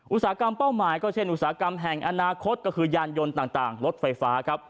อุตสาหกรรมเป้าหมายก็เช่นอุตสาหกรรมแห่งอนาคตก็คือยานยนต์ต่างรถไฟฟ้าครับ